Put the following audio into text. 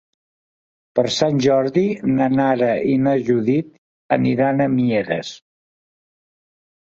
Per Sant Jordi na Nara i na Judit aniran a Mieres.